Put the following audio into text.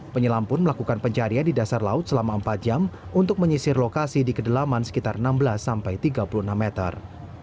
penyelam pun melakukan pencarian di dasar laut selama empat jam untuk menyisir lokasi di kedalaman sekitar enam belas sampai tiga puluh enam meter